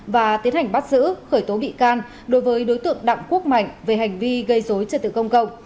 và tiến hành bắt giữ khởi tố bị can đối với đối tượng đặng quốc mạnh về hành vi gây dối trật tự công cộng